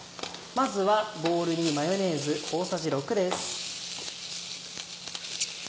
まずはボウルにマヨネーズ大さじ６です。